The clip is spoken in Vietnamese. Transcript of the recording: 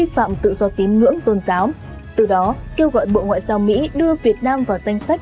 dụng tình hình tự do tín ngưỡng tôn giáo từ đó kêu gọi bộ ngoại giao mỹ đưa việt nam vào danh sách